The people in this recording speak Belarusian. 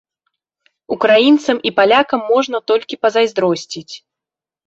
Украінцам і палякам можна толькі пазайздросціць.